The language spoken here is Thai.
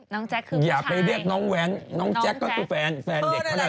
น้องแจ๊กคือผู้ชายอย่าไปเรียกน้องแหวนน้องแจ๊กก็คือแฟนเด็กเขาเลย